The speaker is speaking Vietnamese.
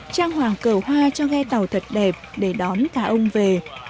trang hoàng cờ hoa cho ghe tàu thật đẹp để đón cả ông về